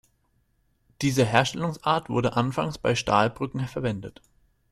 Diese Herstellungsart wurde anfangs bei Stahlbrücken verwendet.